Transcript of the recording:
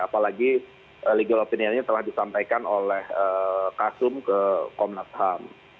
apalagi legal opinionnya telah disampaikan oleh kasum ke komnas ham